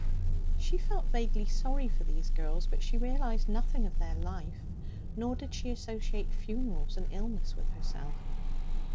She felt vaguely sorry for these girls; but she realized nothing of their life. Nor did she associate funerals and illness with herself.